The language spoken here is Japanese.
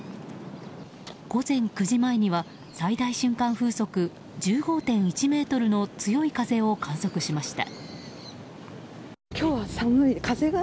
午前９時前には最大瞬間風速１５．１メートルの強い風を観測しました。